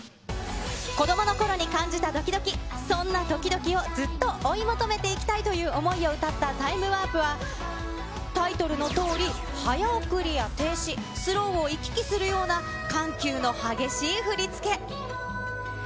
子どものころに感じたどきどき、そんなどきどきをずっと追い求めていきたいという思いを歌ったＴｉｍｅＷａｒｐは、タイトルのとおり、早送りや停止、スローを行き来するような緩急の激しい振り付け。